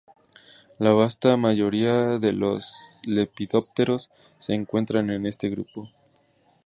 La vasta mayoría de los lepidópteros se encuentran en este grupo.